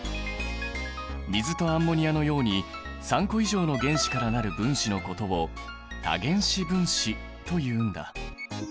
水とアンモニアのように３個以上の原子から成る分子のことを多原子分子というんだ。